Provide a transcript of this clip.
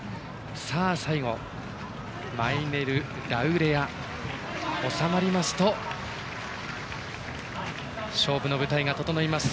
最後、マイネルラウレア収まりますと、勝負の舞台が整います。